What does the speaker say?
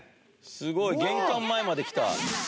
すごい玄関前まで来た。